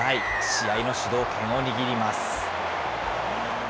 試合の主導権を握ります。